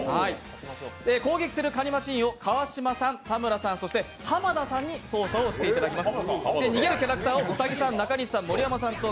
攻撃するカニマシンを川島さん、田村さん、濱田さんに操作していただきます。